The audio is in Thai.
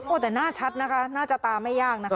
โอ้แต่หน้าชัดนะคะหน้าจาตาไม่ยากนะครับ